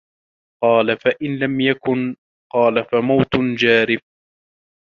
قَالَ فَإِنْ لَمْ يَكُنْ ؟ قَالَ فَمَوْتٌ جَارِفٌ